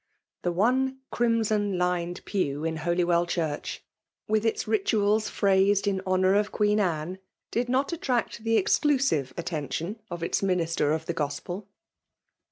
The one crimson lined pew in Holywell Church, with its rituals phrased in honour of Queen Anne, did not attract the exclusive attention of its minister of the Chspel.